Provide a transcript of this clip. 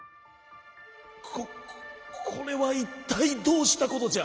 「ここれはいったいどうしたことじゃ！？